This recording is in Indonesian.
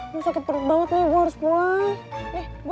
gue sakit perut banget nih gue harus pulang